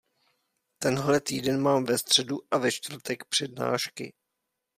Tenhle týden mám ve středu a ve čtvrtek přednášky.